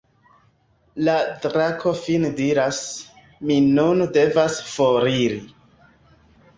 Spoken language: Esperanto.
La drako fine diras: "Mi nun devas foriri".